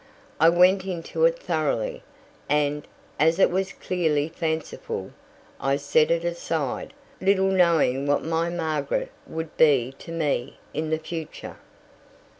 I went into it thoroughly, and, as it was clearly fanciful, I set it aside, little knowing what my Margaret would be to me in the future."